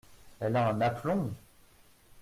Elle a un aplomb !…